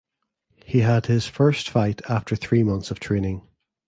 He had his first fight after three months of training.